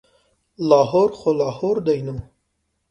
لاهور خو لاهور دی نو.